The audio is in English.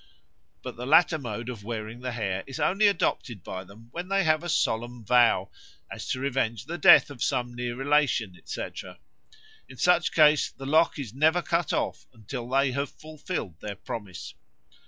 But the latter mode of wearing the hair is only adopted by them when they have a solemn vow, as to revenge the death of some near relation, etc. In such case the lock is never cut off until they have fulfilled their promise."